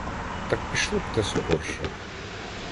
Так пішло б те скорше.